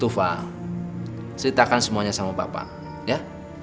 tufa ceritakan semuanya sama bapak ya